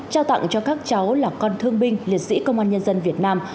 trao tặng cho các cháu là con thương binh liệt sĩ công an nhân dân việt nam